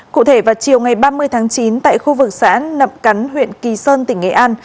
cụ thể vào chiều ngày ba mươi tháng chín tại khu vực xã nậm cắn huyện kỳ sơn tỉnh nghệ an